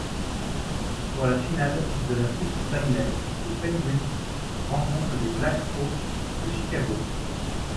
Pour la finale de la Coupe Stanley, les Penguins rencontrent les Blackhawks de Chicago.